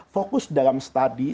fokus dalam belajar